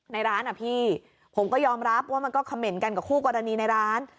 ในร้านผมก็ยอมรับว่ามันก็คอมเมนต์กันกับคู่กรณีในร้าน